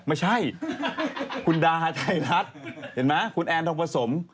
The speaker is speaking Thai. ไม่ใช่คุณดาไทยรัฐเห็นไหมคุณแอนทองผสม